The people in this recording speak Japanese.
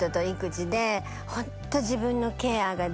ホント。